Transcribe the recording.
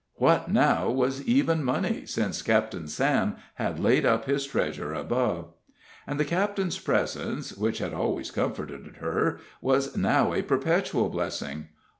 What, now, was even money, since Captain Sam had laid up his treasures above? And the captain's presence, which had always comforted her, was now a perpetual blessing.